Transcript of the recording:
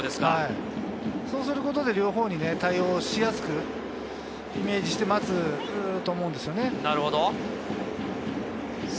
そうすることで両方に対応しやすく、イメージして待つと思うんですね。